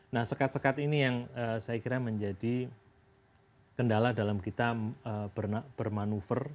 nah sekat sekat ini yang saya kira menjadi kendala dalam kita bermanuver